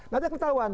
nanti ada ketahuan